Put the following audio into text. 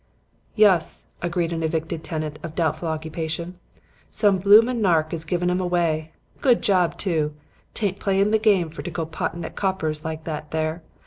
"'Yus,' agreed an evicted tenant of doubtful occupation, 'some bloomin' nark has giv 'em away. Good job too. Tain't playin' the game for to go pottin' at the coppers like that there.